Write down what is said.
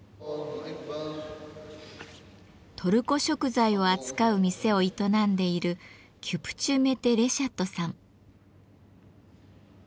トルコ食材を扱う店を営んでいるキュプチュ・メテ・レシャットさん。